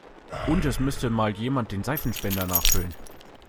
Und es müsste mal jemand den Seifenspender nachfüllen.